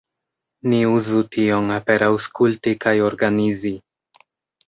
Ni uzu tion per aŭskulti kaj organizi.